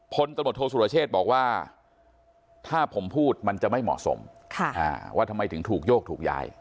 พลตำรวจโทษสุรเชษบอกว่าถ้าผมพูดมันจะไม่เหมาะสมว่าทำไมถึงถูกโยกถูกย้าย